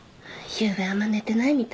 ゆうべあんま寝てないみたいよ。